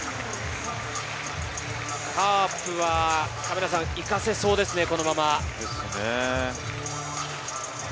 カープは行かせそうですね、このまま。